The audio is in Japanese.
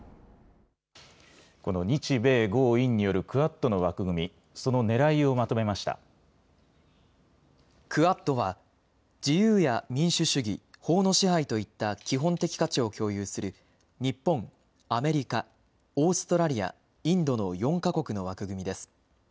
この日米豪印によるクアッドの枠組み、そのねらいをまとめまクアッドは、自由や民主主義、法の支配といった基本的価値を共有する日本、アメリカ、オーストラリア、インドの４か国の枠組みです。